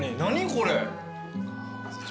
これ。